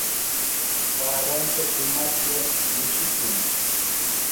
Kaaranta shumaqllam llushikun.